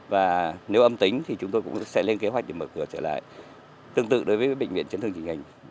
và nếu âm tính thì chúng tôi cũng sẽ lên kế hoạch để mở cửa trở lại tương tự đối với bệnh viện chấn thương trình hình